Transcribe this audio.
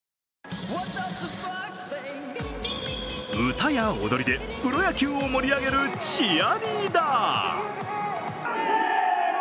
歌や踊りでプロ野球を盛り上げるチアリーダー。